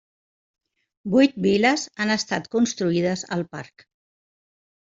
Vuit vil·les han estat construïdes al parc.